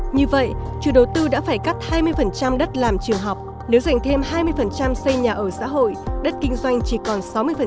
như vậy chủ đầu tư đã phải cắt hai mươi đất làm trường học nếu dành thêm hai mươi xây nhà ở xã hội đất kinh doanh chỉ còn sáu mươi